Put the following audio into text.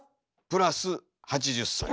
プラス８０才。